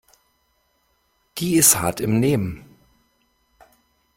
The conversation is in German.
Die ist hart im Nehmen.